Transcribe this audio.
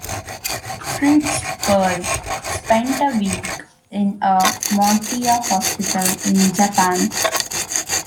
Fritz Perls spent a week in a Morita Hospital in Japan.